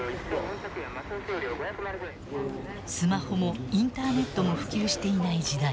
スマホもインターネットも普及していない時代。